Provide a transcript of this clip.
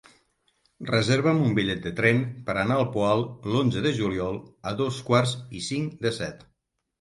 Reserva'm un bitllet de tren per anar al Poal l'onze de juliol a dos quarts i cinc de set.